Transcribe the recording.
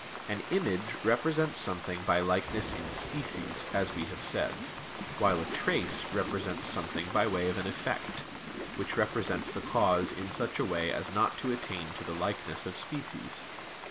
An "image" represents something by likeness in species, as we have said; while a "trace" represents something by way of an effect, which represents the cause in such a way as not to attain to the likeness of species.